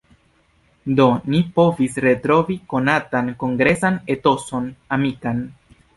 Do ni povis retrovi konatan kongresan etoson amikan.